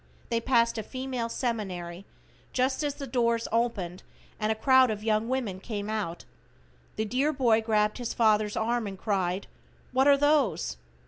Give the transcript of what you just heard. They passed a female seminary just as the doors opened and a crowd of young women came out. The dear boy grabbed his father's arm and cried, "What are those?"